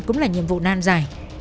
cũng là nhiệm vụ nan dài